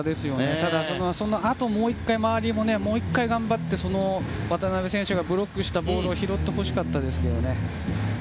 ただ、そのあと周りももう１回頑張って渡邊選手がブロックしたボールを拾ってほしかったですよね。